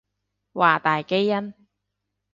華大基因